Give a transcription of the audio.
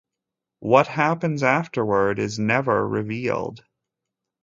What happens afterward is never revealed.